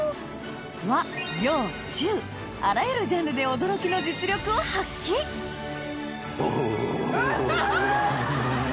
和洋中あらゆるジャンルで驚きの実力を発揮ハハっ！